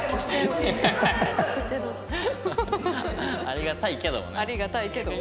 ありがたいけどもね。